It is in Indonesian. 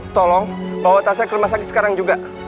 tolong bawa tasha ke rumah sakit sekarang juga